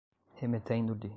remetendo-lhe